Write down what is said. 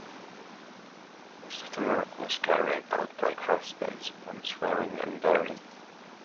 Most of the work was carried out by craftsmen from Schwerin and Berlin.